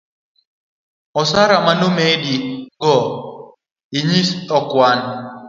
osara manomedi go inyis ekwan